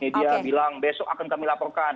media bilang besok akan kami laporkan